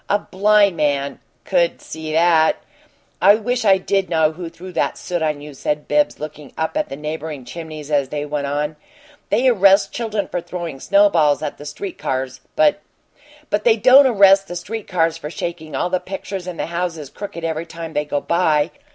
A blind man could see that." "I wish I did know who threw that soot on you," said Bibbs, looking up at the neighboring chimneys, as they went on. "They arrest children for throwing snowballs at the street cars, but " "But they don't arrest the street cars for shaking all the pictures in the houses crooked every time they go by.